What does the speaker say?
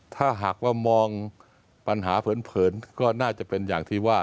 ถ้าหากว่ามองปัญหาเผินก็น่าจะเป็นอย่างที่ว่า